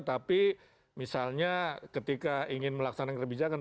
tapi misalnya ketika ingin melaksanakan kebijakan